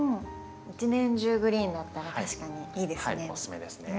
一年中グリーンだったら確かにいいですね。